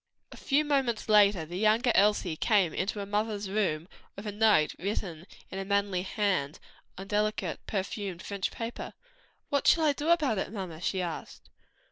A few moments later the younger Elsie came into her mother's room with a note written in a manly hand, on delicately perfumed and tinted French paper. "What shall I do about it, mamma?" she asked.